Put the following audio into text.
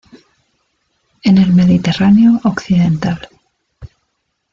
En el Mediterráneo occidental.